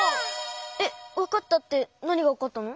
えっわかったってなにがわかったの？